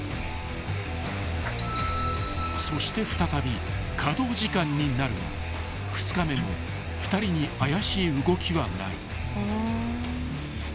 ［そして再び稼働時間になるが２日目も２人に怪しい動きはない］